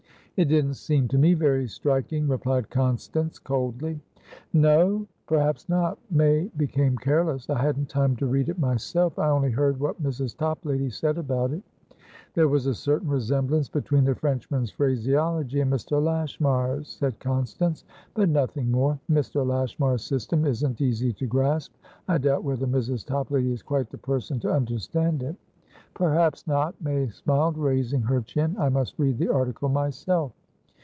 "It didn't seem to me very striking," replied Constance, coldly. "No? Perhaps not." May became careless. "I hadn't time to read it myself; I only heard what Mrs. Toplady said about it." "There was a certain resemblance between the Frenchman's phraseology and Mr. Lashmar's," said Constance; "but nothing more. Mr. Lashmar's system isn't easy to grasp. I doubt whether Mrs. Toplady is quite the person to understand it." "Perhaps not," May smiled, raising her chin. "I must read the article myself."